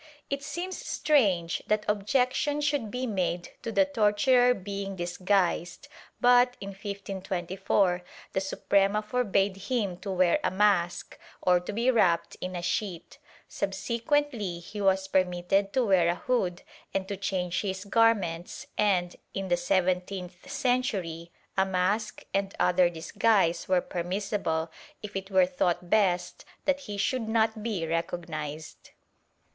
^ It seems strange that objection should be made to the torturer being disguised but, in 1524, the Suprema forbade him to wear a mask or to be wrapped in a sheet; subsequently he was permitted to wear a hood and to change his garments and, in the seventeenth century, a mask and other disguise were permissible, if it were thought best that he should not be recognized.